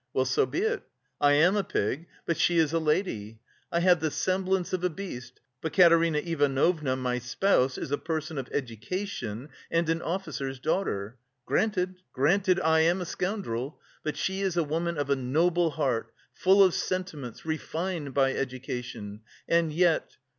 "Well, so be it, I am a pig, but she is a lady! I have the semblance of a beast, but Katerina Ivanovna, my spouse, is a person of education and an officer's daughter. Granted, granted, I am a scoundrel, but she is a woman of a noble heart, full of sentiments, refined by education. And yet...